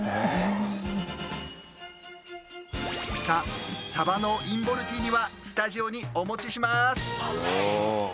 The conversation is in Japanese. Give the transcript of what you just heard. さあサバのインボルティーニはスタジオにお持ちします！